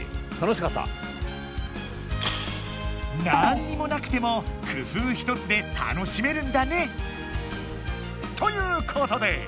なんにもなくても工ふうひとつで楽しめるんだね！ということで？